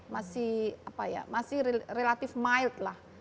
masih relatif mild lah